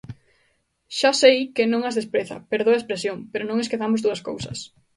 Xa sei que non as despreza, perdoe a expresión, pero non esquezamos dúas cousas.